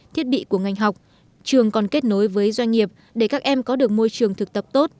thiết bị của ngành học trường còn kết nối với doanh nghiệp để các em có được môi trường thực tập tốt